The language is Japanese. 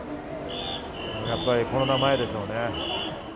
やっぱりコロナ前でしょうね。